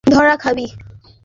তুই ধরা খাবি।